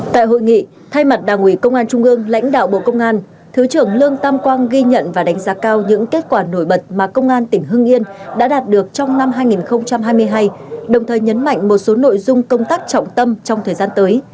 tại hội nghị thay mặt đảng ủy công an trung ương lãnh đạo bộ công an thứ trưởng lương tam quang ghi nhận và đánh giá cao những kết quả nổi bật mà công an tỉnh hưng yên đã đạt được trong năm hai nghìn hai mươi hai đồng thời nhấn mạnh một số nội dung công tác trọng tâm trong thời gian tới